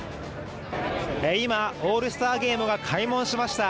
今、オールスターゲームが開門しました。